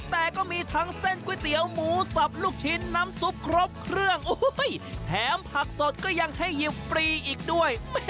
แต่ก็มีทั้งเส้นก๋วยเตี๋ยวหมูสับลูกชิ้นน้ำซุปครบเครื่องแถมผักสดก็ยังให้หยิบฟรีอีกด้วย